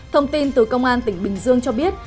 thông tin từ công an tỉnh bình dương cho biết